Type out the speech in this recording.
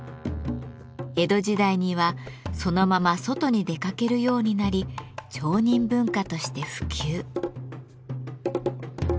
江戸時代にはそのまま外に出かけるようになり町人文化として普及。